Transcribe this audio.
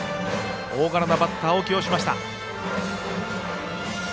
大柄なバッターを起用しました。